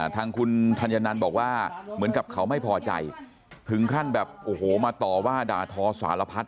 ทางคุณธัญนันบอกว่าเหมือนกับเขาไม่พอใจถึงขั้นแบบโอ้โหมาต่อว่าด่าทอสารพัด